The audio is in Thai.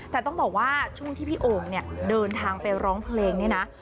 แต่ต้องบอกว่าช่วงที่พี่โอ่งเนี่ยเดินทางไปร้องเพลงเนี่ยนะ